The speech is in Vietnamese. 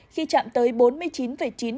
khi chạm tới bình thường